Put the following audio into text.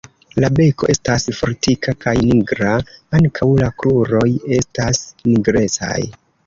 La beko estas fortika kaj nigra; ankaŭ la kruroj estas nigrecaj.